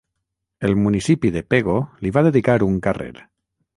El municipi de Pego li va dedicar un carrer.